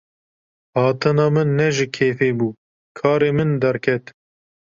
Hatina min ne ji kêfê bû, karê min derket.